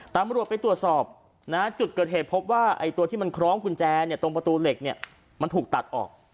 ตำรวจไปตรวจสอบจุดเกิดเหตุพบว่าตัวที่มันคล้องกุญแจตรงประตูเหล็กเนี่ยมันถูกตัดออก